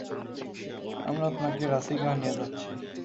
আমরা আপনাকে রাসিগাহ নিয়ে যাচ্ছি।